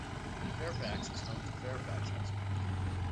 Fairfax is home to Fairfax High School.